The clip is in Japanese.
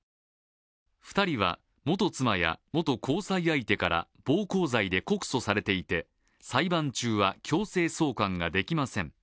２人は元妻や元交際相手から暴行罪で告訴されていて裁判中は、強制送還ができません。